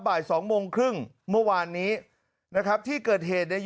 บ่ายสองโมงครึ่งเมื่อวานนี้นะครับที่เกิดเหตุเนี่ย